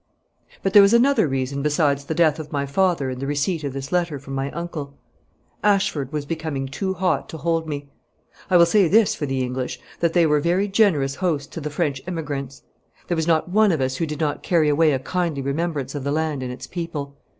But there was another reason besides the death of my father and the receipt of this letter from my uncle. Ashford was becoming too hot to hold me. I will say this for the English, that they were very generous hosts to the French emigrants. There was not one of us who did not carry away a kindly remembrance of the land and its people.